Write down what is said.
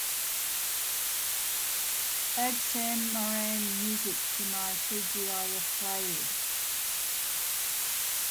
Add Sam Moran music to my tgif playlist